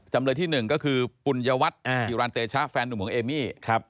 จำเลยที่หนึ่งก็คือปุญยวัตรอ่าหิวรันเตชะแฟนหนุ่มหวังเอมมี่ครับ